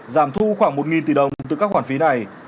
giảm thu khoảng một tỷ đồng từ các khoản phí này